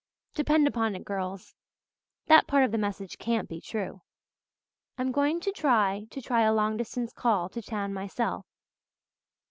Depend upon it, girls, that part of the message can't be true. I'm going to try to try a long distance call to town myself."